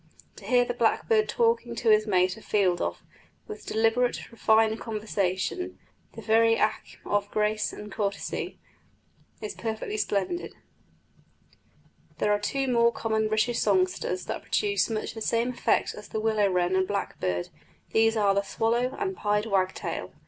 To hear the blackbird talking to his mate a field off, with deliberate, refined conversation, the very acme of grace and courtesy, is perfectly splendid." There are two more common British songsters that produce much the same effect as the willow wren and blackbird; these are the swallow and pied wagtail.